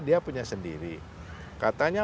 dia punya sendiri katanya